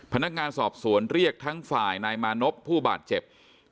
พนักงานสอบสวนเรียกทั้งฝ่ายนายมานพผู้บาดเจ็บ